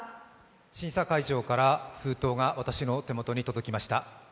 審査会場から封筒が私の手元に届きました。